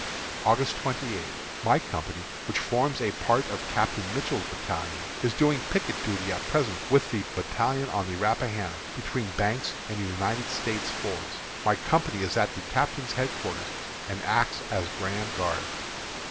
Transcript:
August 28. My company, which forms a part of Captain Mitchell's battalion, is doing picket duty at present with the battalion on the Rappahannock between Banks and United States Fords. My company is at the captain's headquarters, and acts as grand guard.